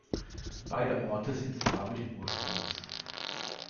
Beide Orte sind slawischen Ursprungs.